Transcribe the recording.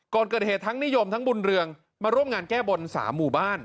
ก่อนเกิดเหตุทั้งนิยมทั้งบุญเรืองมาร่วมงานแก้บน๓หมู่บ้าน